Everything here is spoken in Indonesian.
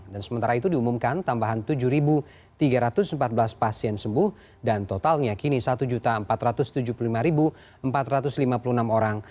dan sementara itu diumumkan tambahan tujuh tiga ratus empat belas pasien sembuh dan totalnya kini satu empat ratus tujuh puluh lima empat ratus lima puluh enam orang